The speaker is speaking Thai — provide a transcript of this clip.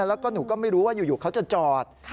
แล้วก็หนูก็ไม่รู้ว่าอยู่เขาจะจอด